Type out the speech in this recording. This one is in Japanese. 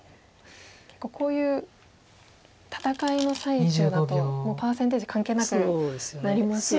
結構こういう戦いの最中だともうパーセンテージ関係なくなりますよね。